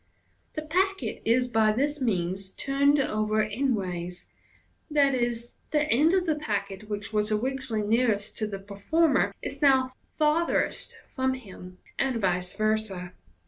The packet is by this means turned over endways, i.e., that end of the packet which was originally nearest to the per former is now farthest from him, and vice versa.